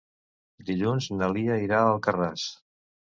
Dilluns na Lia irà a Alcarràs.